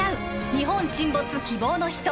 「日本沈没−希望のひと−」